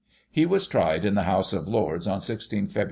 He was tried in the House of Lords, on 16 Feb.